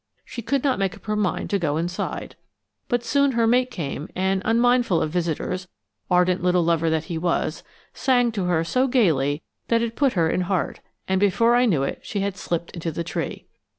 She could not make up her mind to go inside. But soon her mate came and unmindful of visitors, ardent little lover that he was sang to her so gayly that it put her in heart; and before I knew it she had slipped into the tree.